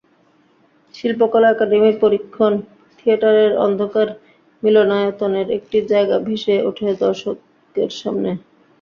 শিল্পকলা একাডেমির পরীক্ষণ থিয়েটারের অন্ধকার মিলনায়তনের একটি জায়গা ভেসে ওঠে দর্শকের সামনে।